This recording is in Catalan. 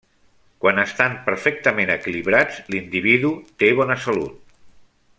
Quan estan perfectament equilibrats, l'individu té bona salut.